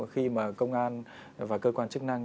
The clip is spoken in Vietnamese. khi mà công an và cơ quan chức năng